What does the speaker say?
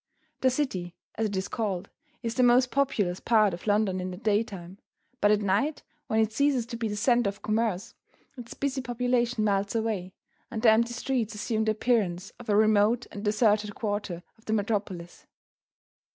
The City (as it is called) is the most populous part of London in the daytime; but at night, when it ceases to be the center of commerce, its busy population melts away, and the empty streets assume the appearance of a remote and deserted quarter of the metropolis.